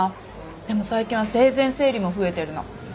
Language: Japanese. でも最近は生前整理も増えてるの。